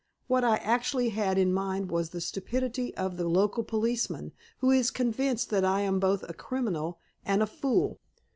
"What I actually had in mind was the stupidity of the local policeman, who is convinced that I am both a criminal and a fool."